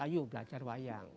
ayo belajar wayang